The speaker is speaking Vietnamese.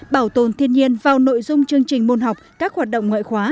bảo tồn thiên nhiên vào nội dung chương trình môn học các hoạt động ngoại khóa